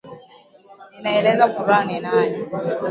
Ninaelezea furaha ninayo.